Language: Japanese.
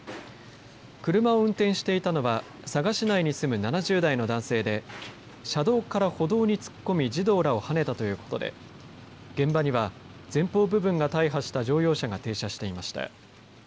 車を運転していたのは佐賀市内に住む７０代の男性で車道から歩道に突っ込み児童らをはねたということで現場には前方部分が大破した乗用車が停車していました。